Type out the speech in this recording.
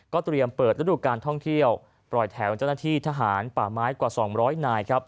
เตรียมเปิดฤดูการท่องเที่ยวปล่อยแถวเจ้าหน้าที่ทหารป่าไม้กว่า๒๐๐นาย